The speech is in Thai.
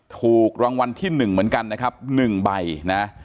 ถูกรางวัลที่หนึ่งเหมือนกันนะครับหนึ่งใบนะ